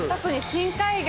深海魚。